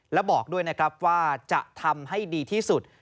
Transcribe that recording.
และบอกด้วยนะครับว่าจะทำให้ดีที่สุด